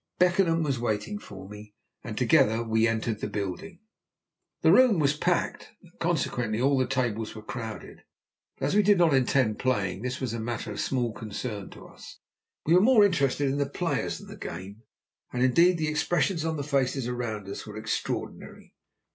Beckenham was waiting for me, and together we entered the building. The room was packed, and consequently all the tables were crowded, but as we did not intend playing, this was a matter of small concern to us. We were more interested in the players than the game. And, indeed, the expressions on the faces around us were extraordinary.